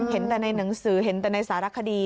เห็นแต่ในหนังสือเห็นแต่ในสารคดี